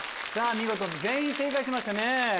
見事全員正解しました。